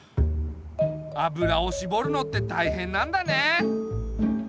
油をしぼるのってたいへんなんだね。